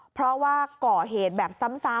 เพราะว่าก่อเหตุแบบซ้ำ